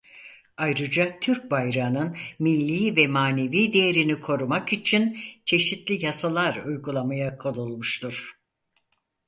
Ayrıca Türk bayrağının milli ve manevî değerini korumak için çeşitli yasalar uygulamaya koyulmuştur.